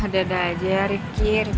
dadah aja ritki